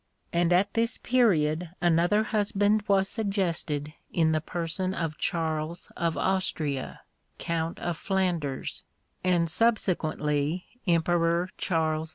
and at this period another husband was suggested in the person of Charles of Austria, Count of Flanders, and subsequently Emperor Charles V.